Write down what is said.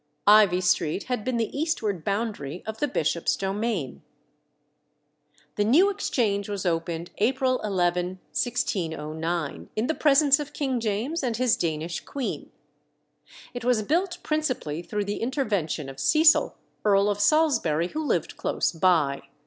Ivy Street had been the eastward boundary of the bishop's domain. The New Exchange was opened April 11, 1609, in the presence of King James and his Danish queen. It was built principally through the intervention of Cecil, Earl of Salisbury, who lived close by.